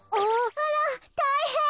あらたいへん！